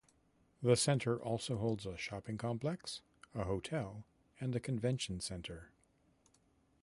The centre also holds a shopping complex, a hotel, and a convention centre.